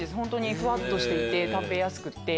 ふわっとしてて食べやすくて。